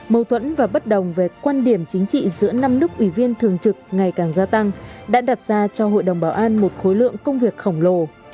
mâu thuẫn và bất đồng về quan điểm chính trị giữa năm nước ủy viên thường trực ngày càng gia tăng đã đặt ra cho hội đồng bảo an một khối lượng công việc khổng lồ